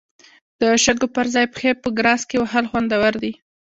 د شګو پر ځای پښې په ګراس کې وهل خوندور دي.